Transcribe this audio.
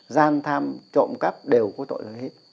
gian tham trộm cắp đều có tội rồi hết